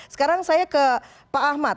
sekarang saya ke pak ahmad